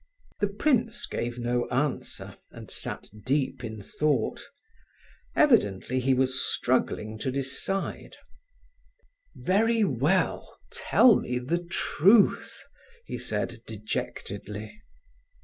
The prince gave no answer, and sat deep in thought. Evidently he was struggling to decide. "Very well! Tell me the truth," he said, dejectedly.